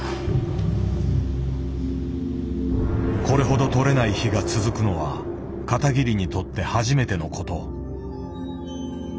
これほど捕れない日が続くのは片桐にとって初めてのこと。